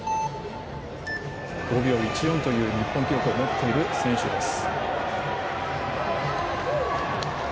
５秒１４という日本記録を持っている選手です。